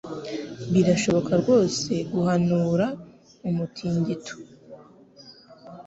Birashoboka rwose guhanura umutingito?